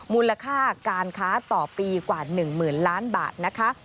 มูลค่าการค้าต่อปีกว่า๑๐๐๐ล้านบาทนะคะ